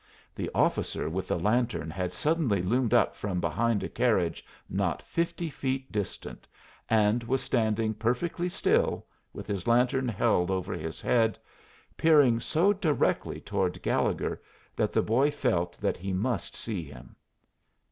The officer with the lantern had suddenly loomed up from behind a carriage not fifty feet distant, and was standing perfectly still, with his lantern held over his head, peering so directly toward Gallegher that the boy felt that he must see him.